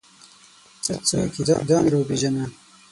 ته څوک یې ؟ ځان راوپېژنه!